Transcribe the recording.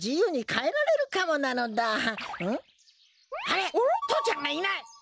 あれ父ちゃんがいない！